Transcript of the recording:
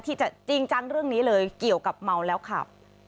จริงจังเรื่องนี้เลยเกี่ยวกับเมาแล้วขับ